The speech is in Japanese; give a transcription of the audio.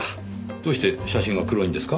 どうして写真が黒いんですか？